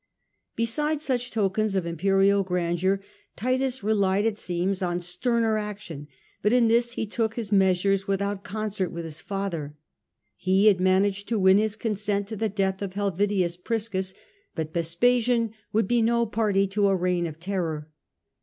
Besides such tokens of imperial grandeur Titus re lied, it seems, on sterner action ; but in this he took nis measures without concert with his father. ,,,,,. 1 ., A Uus made He had managed to win his consent to the himself death of Helvidius Priscus, but Vespasian would be no party to a reign of terror.